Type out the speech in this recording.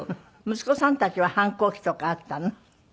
息子さんたちは反抗期とかあったの？